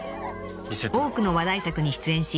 ［多くの話題作に出演し］